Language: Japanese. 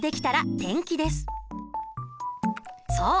そう。